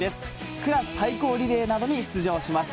クラス対抗リレーなどに出場します。